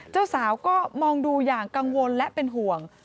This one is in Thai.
เจ้าสาวก็มองดูอย่างกังวลและเป็นห่วง